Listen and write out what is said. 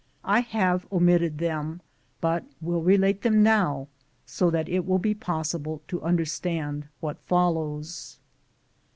I have omitted them, but will relate them now, so that it will be possible to understand what follows.